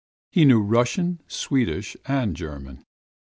He knew Russian, Swedish, and German.